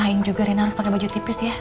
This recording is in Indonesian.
usahain juga rina harus pake baju tipis ya